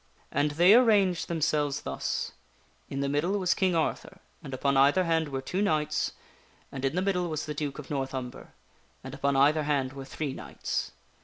And they arranged themselves thus : In the middle was King Arthur, and upon either hand were two knights ; and in the middle was the Duke of North Umber, and upon either hand were three knights.